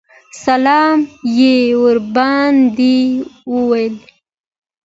سلام یې ورباندې وایه.